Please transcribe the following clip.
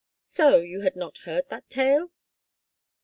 ... So you had not heard that tale